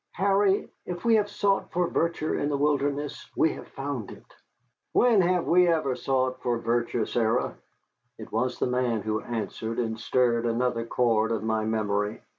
Harry, if we have sought for virtue in the wilderness, we have found it." "When have we ever sought for virtue, Sarah?" It was the man who answered and stirred another chord of my memory.